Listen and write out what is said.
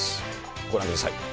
ご覧ください。